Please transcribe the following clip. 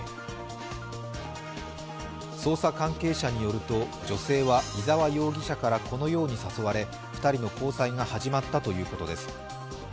捜査関係者によると女性は伊沢容疑者からこのように誘われ２人の交際が始まったということです。